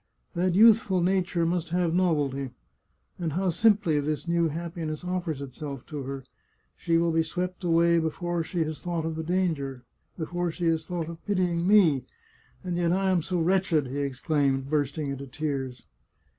That youthful na ture must have novelty! And how simply this new happi ness offers itself to her ! She will be swept away before she has thought of the danger — before she has thought of pity ing me ! and yet I am so wretched !" he exclaimed, bursting into tears.